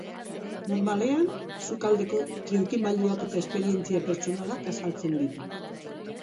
Normalean sukaldeko trikimailuak eta esperientzia pertsonalak azaltzen ditu.